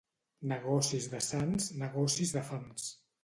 Negocis de sants, negocis de fams.